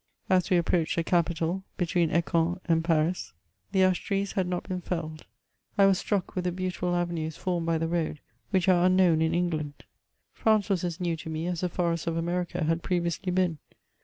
As we approached the capital, between Ek^ouen and Paris, the ash trees had not been felled ; I was struck with the beautiful avenues formed by the road, which are unknown in England. France was as new to me as the forests of America had pre viously been.